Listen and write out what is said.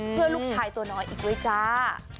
เพื่อลูกชายตัวน้อยอีกด้วยจ้า